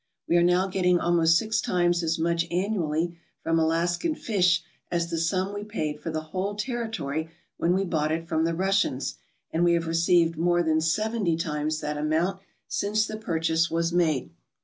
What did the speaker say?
We are now getting almost six times as much annually .from Alaskan fish as the sum we paid for the whole territory when we bought it from the Russians, and we have received more than seventy times that amount since the purchase was made.